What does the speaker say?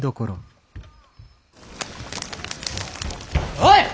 おい！